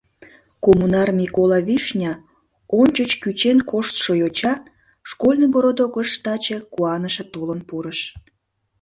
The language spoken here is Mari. Коммунар Микола Вишня, ончыч кӱчен коштшо йоча, школьный городокыш таче куаныше толын пурыш.